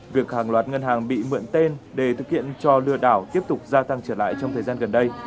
việc hàng loạt ngân hàng bị mượn tên để thực hiện cho lừa đảo tiếp tục gia tăng trở lại trong thời gian gần đây